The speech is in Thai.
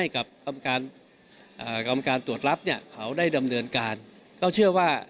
ความการตรวจรับเที่ยวเขาได้ดำเนินการก็เชื่อว่า